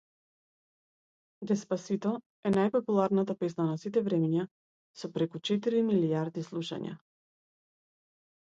Деспасито е најпопуларната песна на сите времиња, со преку четири милијарди слушања.